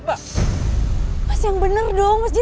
aku poner upayakan kehan amaran rosanti